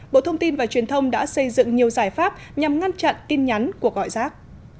bộ thông tin và truyền thông đã xây dựng nhiều giải pháp nhằm ngăn chặn tin nhắn của gọi rác